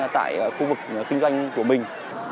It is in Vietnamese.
trong các vực kinh doanh của bình